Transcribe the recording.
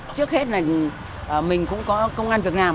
trước hết là mình cũng có công an việt nam